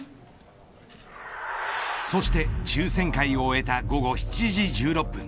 そして抽選会を終えた午後７時１６分。